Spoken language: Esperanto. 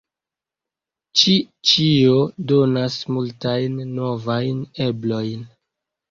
Ĉi ĉio donas multajn novajn eblojn.